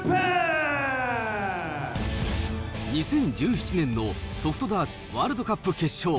２０１７年のソフトダーツワールドカップ決勝。